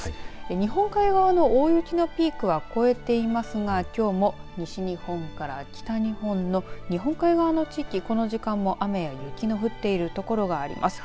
日本海側の大雪のピークは超えていますがきょうも西日本から北日本の日本海側の地域この時間も雨や雪の降っている所があります。